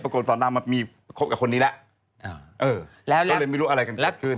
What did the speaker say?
ปรากฏสอนรามมันมีครบกับคนนี้แหละเออแล้วแล้วมีรู้อะไรกันขึ้น